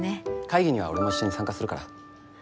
会議には俺も一緒に参加するから。